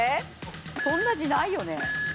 そんな字ないよね？